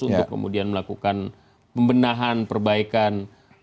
untuk kemudian melakukan pembenahan perbaikan